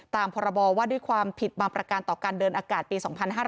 พรบว่าด้วยความผิดบางประการต่อการเดินอากาศปี๒๕๕๙